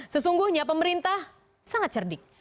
sesungguhnya pemerintah sangat cerdik